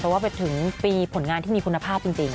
ว่าไปถึงปีผลงานที่มีคุณภาพจริง